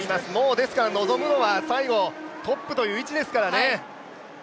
ですから望むのは最後、トップという位置ですからね。